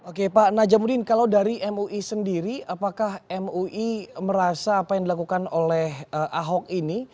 oke pak najamuddin kalau dari mui sendiri apakah mui merasa apa yang dilakukan oleh ahok ini